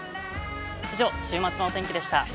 以上、週末のお天気でした。